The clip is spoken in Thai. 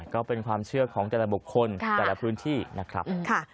ก็เป็นความเชื่อของแต่ละบุคคลแต่ละพื้นที่นะครับ